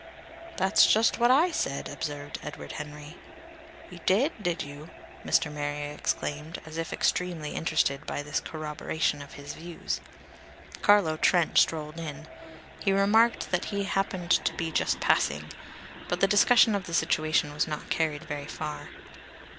"That's just what I said!" observed Edward Henry. "You did, did you?" Mr. Marrier exclaimed, as if extremely interested by this corroboration of his views. Carlo Trent strolled in; he remarked that he happened to be just passing. But the discussion of the situation was not carried very far.